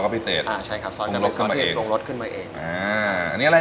ก็เป็นหมูบูโกอคิ